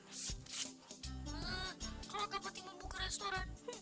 kalau kakak pati membuka restoran pasti bangkut